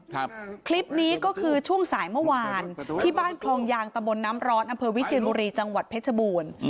คลิปนี้ก็คือช่วงสายเมื่อวานที่บ้านคลองยางตะบนน้ำร้อนอำเภอวิเชียนบุรีจังหวัดเพชรบูรณ์